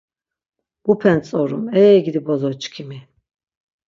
Mupe ntzorum, ey gidi bozo çkimi!